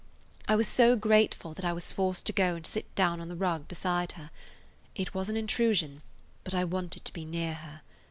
I was so grateful that I was forced to go and sit down on the rug beside her. It was an intrusion, but I wanted to be near her.